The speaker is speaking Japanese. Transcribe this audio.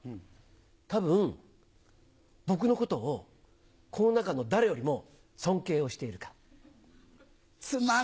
たぶん、僕のことを、この中の誰よりも尊敬をしているから。